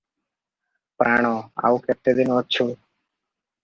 ପ୍ରାଣ! ଆଉ କେତେଦିନ ଅଛୁ?